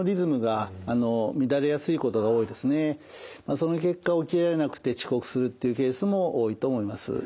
その結果起きられなくて遅刻するっていうケースも多いと思います。